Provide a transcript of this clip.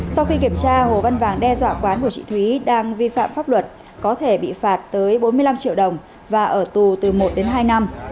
sau khi kiểm tra hồ văn vàng đe dọa quán của chị thúy đang vi phạm pháp luật có thể bị phạt tới bốn mươi năm triệu đồng và ở tù từ một đến hai năm